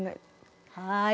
はい。